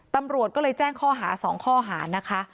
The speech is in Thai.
ตำรวจก็เลยแจ้งข้อหา๒ข้อหานะคะ